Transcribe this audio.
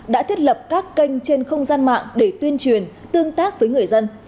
đã thiết lập các kênh trên không gian mạng để tuyên truyền tương tác với người dân